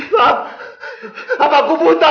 papa aku buta pa